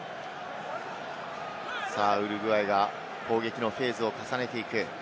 ウルグアイが攻撃のフェーズを重ねていく。